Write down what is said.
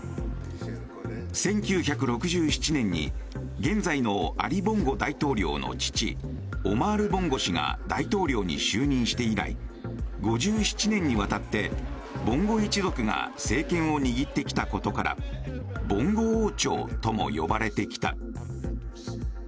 １９６７年に現在のアリ・ボンゴ大統領の父オマール・ボンゴ氏が大統領に就任して以来５７年にわたってボンゴ一族が政権を握ってきたことからボンゴ王朝とも呼ばれてきた。